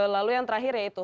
lalu yang terakhir ya itu